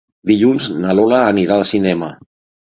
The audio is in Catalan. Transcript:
Dilluns na Lola anirà al cinema.